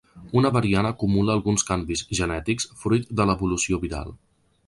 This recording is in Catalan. Una variant acumula alguns canvis genètics fruit de l’evolució viral.